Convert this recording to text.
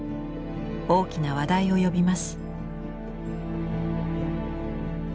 大きな話題を呼びます。